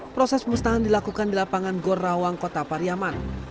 proses pemusnahan dilakukan di lapangan gorrawang kota pariaman